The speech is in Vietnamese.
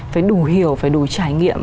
phải đủ hiểu phải đủ trải nghiệm